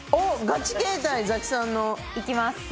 ガチ携帯ザキさんの。いきます。